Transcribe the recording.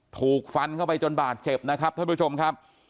ถูกฟันเข้าไปจนบาดเจ็บนะครับท่านผู้ชมครับ